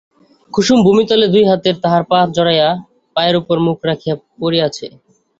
কুসুম ভূমিতলে দুই হাতে তাহার পা জড়াইয়া পায়ের উপর মুখ রাখিয়া পড়িয়া আছে।